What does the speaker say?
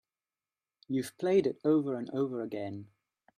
You've played it over and over again.